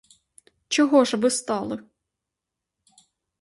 Чого ж ви стали?